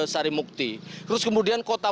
sarai bukti terus kemudian kota